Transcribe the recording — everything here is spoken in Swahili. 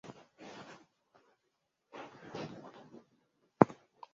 la kuijenga cote dvoire ya kesho